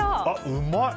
うまい！